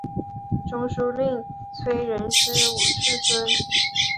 中书令崔仁师五世孙。